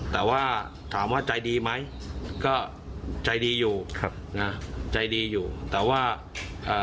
แต่ว่าถามว่าใจดีไหมก็ใจดีอยู่ครับนะใจดีอยู่แต่ว่าเอ่อ